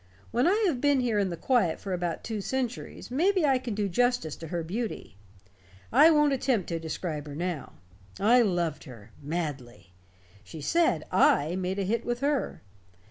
When I have been here in the quiet for about two centuries, maybe I can do justice to her beauty. I won't attempt to describe her now. I loved her madly. She said I made a hit with her.